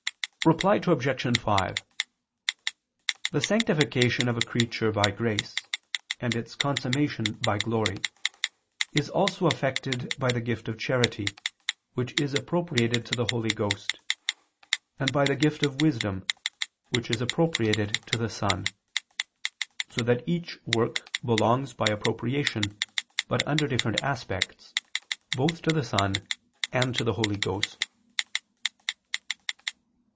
Reply Obj. 5: The sanctification of a creature by grace, and its consummation by glory, is also effected by the gift of charity, which is appropriated to the Holy Ghost, and by the gift of wisdom, which is appropriated to the Son: so that each work belongs by appropriation, but under different aspects, both to the Son and to the Holy Ghost.